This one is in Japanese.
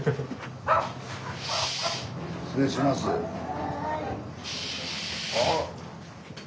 ・はい。